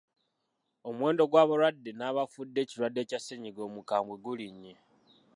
Omuwendo gw'abalwadde n'abafudde ekirwadde Kya Ssennyinga omukambwe gulinnye.